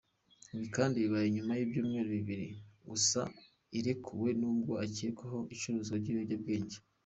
Ibi kandi bibaye nyuma y’ibyumweru bibiri gusa arekuwe nabwo akekwaho icuruzwa ry’ibiyobyabwenge.